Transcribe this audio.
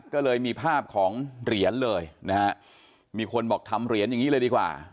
ก็เลยมีภาพของเหรียญเลยนะฮะมีคนบอกทำเหรียญอย่างนี้เลยดีกว่า